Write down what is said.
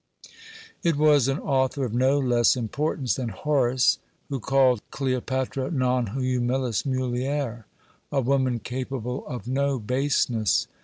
It was an author of no less importance than Horace who called Cleopatra "non humilis mulier" a woman capable of no baseness.